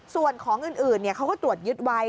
ส่วนของอื่นเขาก็ตรวจยึดไว้